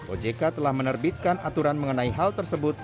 ojk telah menerbitkan aturan mengenai hal tersebut